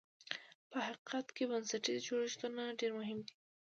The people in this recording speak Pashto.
په حقیقت کې بنسټیز جوړښتونه ډېر مهم دي.